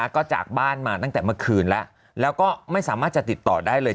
ก็จากบ้านมาตั้งแต่เมื่อคืนแล้วแล้วก็ไม่สามารถจะติดต่อได้เลย